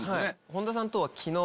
本田さんとは昨日。